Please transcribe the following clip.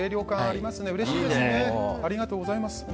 ありがとうございます。